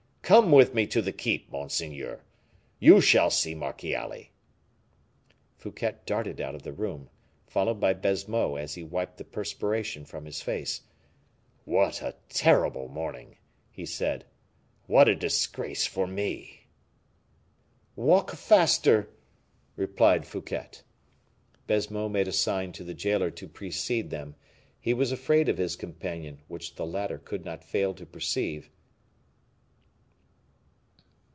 Come with me to the keep, monseigneur, you shall see Marchiali." Fouquet darted out of the room, followed by Baisemeaux as he wiped the perspiration from his face. "What a terrible morning!" he said; "what a disgrace for me!" "Walk faster," replied Fouquet. Baisemeaux made a sign to the jailer to precede them. He was afraid of his companion, which the latter could not fail to perceive.